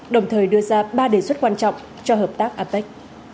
đồng thời đưa ra ba đề xuất quan trọng cho hợp tác apec